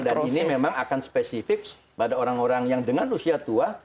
dan ini memang akan spesifik pada orang orang yang dengan usia tua